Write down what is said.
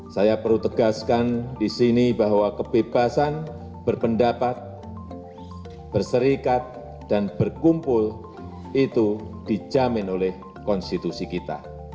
saya perlu tegaskan di sini bahwa kebebasan berpendapat berserikat dan berkumpul itu dijamin oleh konstitusi kita